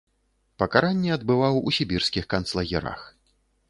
Пакаранне адбываў ў сібірскіх канцлагерах.